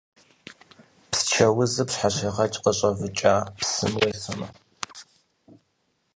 Псчэ узыр пщхьэщегъэкӏ къыщӏэвыкӏа псым уефэмэ.